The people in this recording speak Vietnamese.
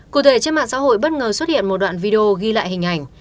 cụ thể trên mạng xã hội bất ngờ xuất hiện một đoạn video ghi lại hình ảnh